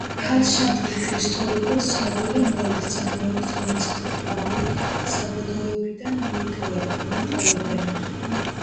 ჰალშტატი ისტორიულად ცნობილია მარილის წარმოებით, რომელსაც ადგილობრივი საბადოებიდან მოიპოვებენ.